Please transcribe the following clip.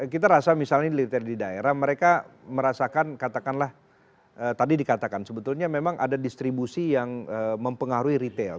kita rasa misalnya di daerah mereka merasakan katakanlah tadi dikatakan sebetulnya memang ada distribusi yang mempengaruhi retail